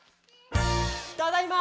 ただいま！